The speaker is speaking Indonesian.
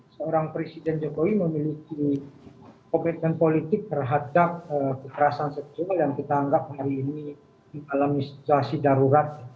seorang presiden jokowi memiliki komitmen politik terhadap kekerasan seksual yang kita anggap hari ini mengalami situasi darurat